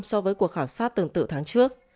so với cuộc khảo sát tương tự tháng trước